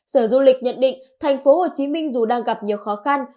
sở du lịch nhận định thành phố hồ chí minh dù đang gặp nhiều khó khăn